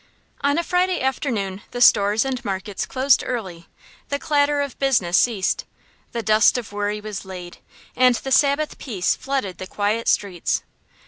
On a Friday afternoon the stores and markets closed early. The clatter of business ceased, the dust of worry was laid, and the Sabbath peace flooded the quiet streets.